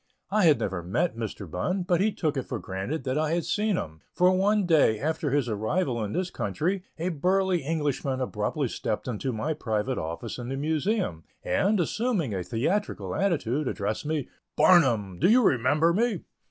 I had never met Mr. Bunn, but he took it for granted that I had seen him, for one day after his arrival in this country, a burly Englishman abruptly stepped into my private office in the Museum, and assuming a theatrical attitude, addressed me: "Barnum, do you remember me?"